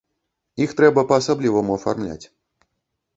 Іх трэба па-асабліваму афармляць.